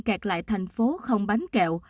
kẹt lại thành phố không bánh kẹo